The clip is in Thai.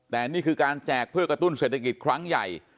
แต่นี่คือการแจกเพื่อกระตุ้นเศรษฐกิจครั้งใหญ่